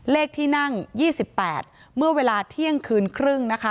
เลขที่นั่ง๒๘เมื่อเวลาเที่ยงคืนครึ่งนะคะ